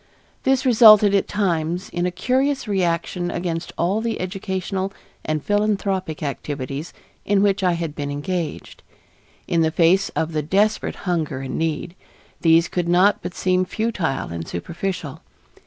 This resulted at times in a curious reaction against all the educational and philanthropic activities in which I had been engaged. In the face of the desperate hunger and need, these could not but seem futile and superficial.